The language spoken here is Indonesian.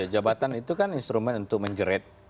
jabatan itu kan instrumen untuk menjerat